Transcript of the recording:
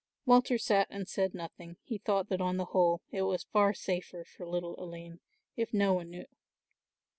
Walter sat and said nothing; he thought that on the whole it was far safer for little Aline if no one knew.